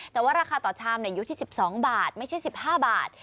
แต่ว่าราคาต่อชามอยู่ที่๑๒บาทไม่ใช่๑๕บาท